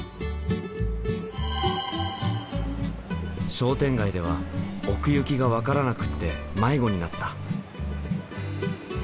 商店街では奥行きが分からなくって迷子になった。